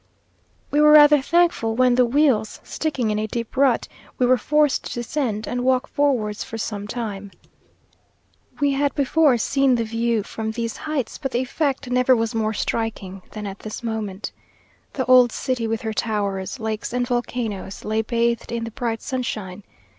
We were rather thankful when the wheels, sticking in a deep rut, we were forced to descend, and walk forwards for some time. We had before seen the view from these heights, but the effect never was more striking than at this moment. The old city with her towers, lakes, and volcanoes, lay bathed in the bright sunshine.